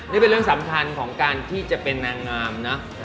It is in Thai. นี่เป็นเรื่องสำคัญของการที่จะเป็นนางงามเนอะ